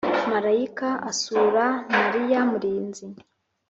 marayika asura mariya murinzi